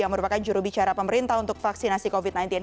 yang merupakan jurubicara pemerintah untuk vaksinasi covid sembilan belas